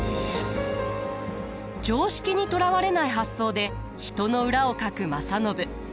常識にとらわれない発想で人の裏をかく正信。